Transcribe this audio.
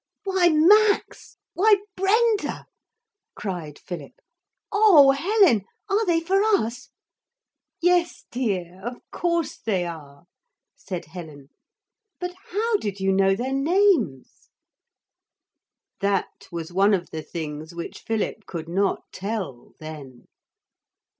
'Why Max! why Brenda!' cried Philip. 'Oh, Helen! are they for us?' 'Yes, dear, of course they are,' said Helen; 'but how did you know their names?' That was one of the things which Philip could not tell, then.